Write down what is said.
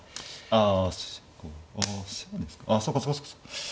ああ。